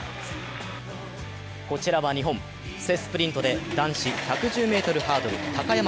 こちらは日本、布勢スプリントで男子１１０ｍハードル、高山峻